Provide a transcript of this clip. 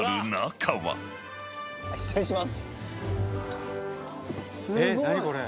失礼します。